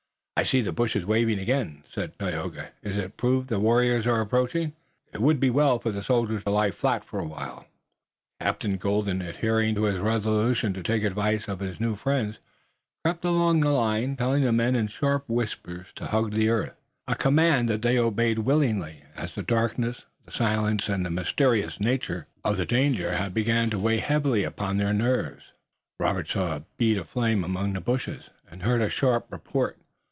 "I see the bushes waving again," said Tayoga. "It is proof that the warriors are approaching. It would be well for the soldiers to lie flat for a little while." Captain Colden, adhering to his resolution to take the advice of his new friends, crept along the line, telling the men in sharp whispers to hug the earth, a command that they obeyed willingly, as the darkness, the silence and the mysterious nature of the danger had begun to weigh heavily upon their nerves. Robert saw a bead of flame among the bushes, and heard a sharp report.